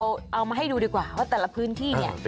เอามาให้ดูดีกว่าว่าแต่ละพื้นที่เนี่ย